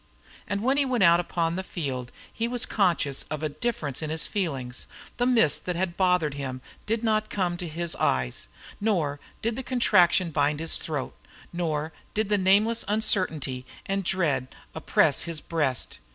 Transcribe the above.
And when he went out upon the field he was conscious of a difference in his feelings. The mist that had bothered him did not now come to his eyes; nor did the contraction bind his throat; nor did the nameless uncertainty and dread oppress his breast.